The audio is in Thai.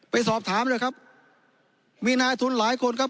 ไปสอบถามเลยครับมีนายทุนหลายคนครับ